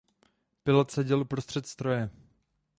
Pilot seděl uprostřed stroje.